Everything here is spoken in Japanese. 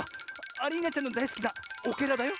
アリーナちゃんのだいすきなオケラだよ。